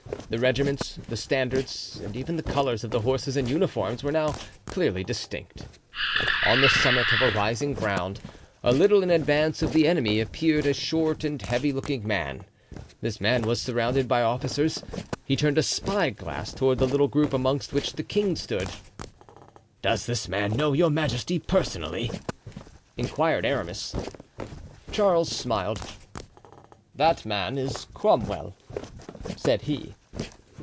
The regiments, the standards, and even the colors of the horses and uniforms were now clearly distinct. On the summit of a rising ground, a little in advance of the enemy, appeared a short and heavy looking man; this man was surrounded by officers. He turned a spyglass toward the little group amongst which the king stood. "Does this man know your majesty personally?" inquired Aramis. Charles smiled. "That man is Cromwell," said he.